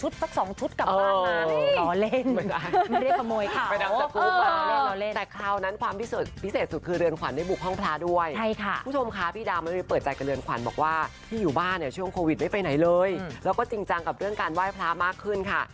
ตอนนั้นความพิเศษสุดคือเรือนขวัญได้บุค้องพระด้วยค่ะคุณผมค้าพี่ดามรับเปิดใจกับเรือนขวัญบอกว่ามันอยู่บ้านช่วงโควิดไม่ไปไหนเลยเราก็จริงจังกับเรื่องการไหว้พระมากขึ้นค่ะ